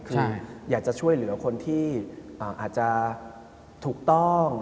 คืออยากจะช่วยเหลือคนที่อาจจะถูกต้อง